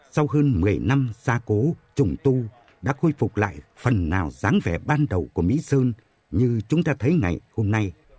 sau hơn một mươi năm xa cố trùng tu đã khôi phục lại phần nào dáng vẻ ban đầu của mỹ sơn như chúng ta thấy ngày hôm nay